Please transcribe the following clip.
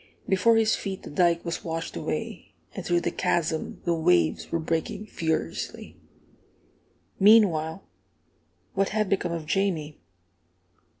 Before his feet the dike was washed away, and through the chasm the waves were breaking furiously. Meanwhile, what had become of Jamie?